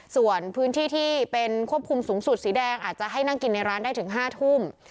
ส่วนพื้นที่ที่เป็นควบคุมสูงสุดสีแดงอาจจะให้นั่งกินในร้านได้ถึง๕ทุ่ม